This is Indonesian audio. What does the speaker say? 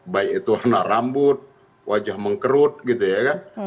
baik itu warna rambut wajah mengkerut gitu ya kan